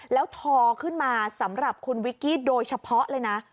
แล้วทอขึ้นมาสำหรับคุณวิกกี้โดยเฉพาะเลยนะ